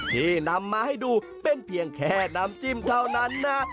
ที่นำมาให้ดูเป็นเพียงแค่น้ำจิ้มเท่านั้นนะ